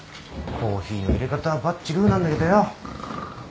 コーヒーの入れ方はバッチグーなんだけどよぉ。